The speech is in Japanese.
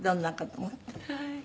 はい。